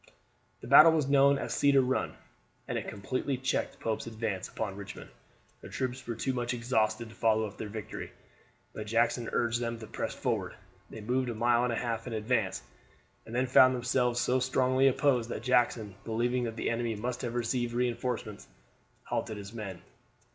The battle was known as Cedar Run, and it completely checked Pope's advance upon Richmond. The troops were too much exhausted to follow up their victory, but Jackson urged them to press forward. They moved a mile and a half in advance, and then found themselves so strongly opposed that Jackson, believing that the enemy must have received reinforcements, halted his men.